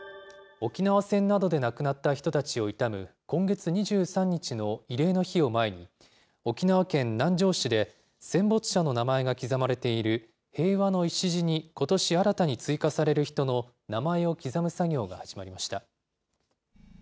沖縄戦などで亡くなった人たちを悼む、今月２３日の慰霊の日を前に、沖縄県南城市で、戦没者の名前が刻まれている平和の礎にことし新たに追加される人の名前を刻む作業が始まりました。